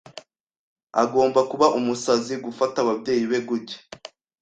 Agomba kuba umusazi gufata ababyeyi be gutya.